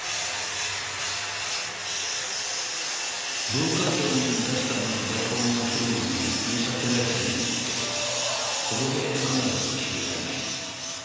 文化庁に出すための台本を刷るのに印刷会社に行ってそこで彼女と知り合いました。